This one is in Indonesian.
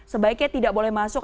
sebaiknya tidak boleh masuk